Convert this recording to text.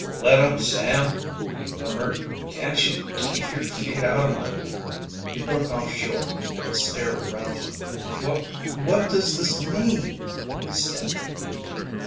"Let up, Sam," he murmured. "Can't you keep your feet out of my " He broke off short and stared around him. "Wha what does this mean?" he stammered.